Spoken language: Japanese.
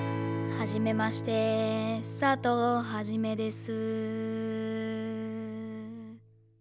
「はじめまして」「佐藤はじめです」